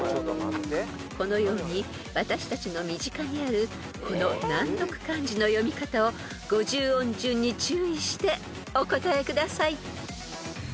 ［このように私たちの身近にあるこの難読漢字の読み方を五十音順に注意してお答えください］